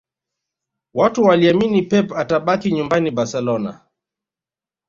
Watu waliamini Pep atabaki nyumbani Barcelona